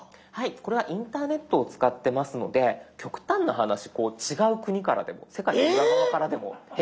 これはインターネットを使ってますので極端な話違う国からでも世界の裏側からでも変更することができます。